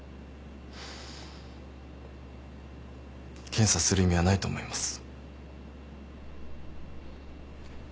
検査する意味はないと思います。